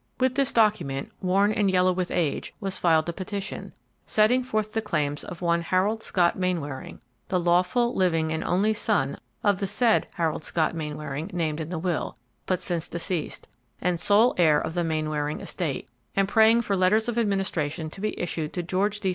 With this document, worn and yellow with age, was filed a petition, setting forth the claims of one Harold Scott Mainwaring, the lawful, living, and only son of the said Harold Scott Mainwaring named in the will, but since deceased, and sole heir of the Mainwaring estate, and praying for letters of administration to be issued to George D.